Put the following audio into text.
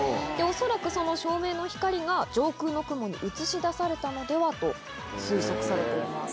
恐らくその照明の光が、上空に雲に映し出されたのではと推測されています。